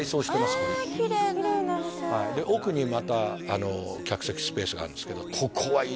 これきれいなお店はいで奥にまた客席スペースがあるんですけどここはいいですよ